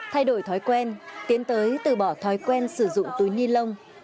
thay đổi thói quen tiến tới từ bỏ thói quen sử dụng túi ni lông